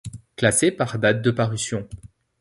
Classées par date de parution.